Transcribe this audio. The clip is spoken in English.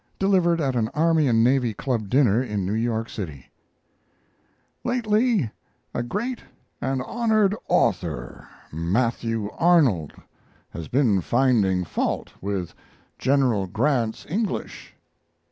Delivered at an Army and Navy Club dinner in New York City) Lately a great and honored author, Matthew Arnold, has been finding fault with General Grant's English.